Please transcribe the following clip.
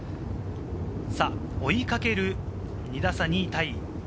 追いかける２打差、２位タイ。